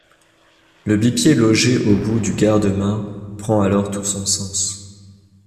Le bipied logé au bout du garde-main prend alors tout son sens.